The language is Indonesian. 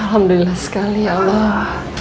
alhamdulillah sekali ya allah